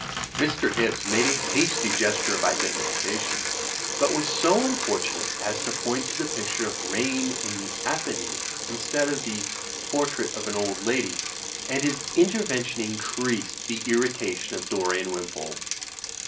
Mr. Hibbs made a hasty gesture of identification, but was so unfortunate as to point to the picture of "Rain in the Apennines," instead of the "Portrait of an Old Lady," and his intervention increased the ir ritation of Dorian Wimpole.